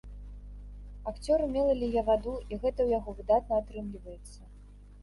Акцёр умела ліе ваду, і гэта ў яго выдатна атрымліваецца.